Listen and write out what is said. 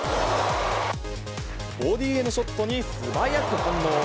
ボディーへのショットに素早く反応。